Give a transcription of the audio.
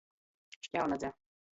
Šķaunadze.